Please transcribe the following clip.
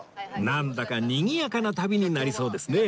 なんだかにぎやかな旅になりそうですね